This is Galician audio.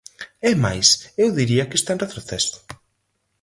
É máis, eu diría que está en retroceso.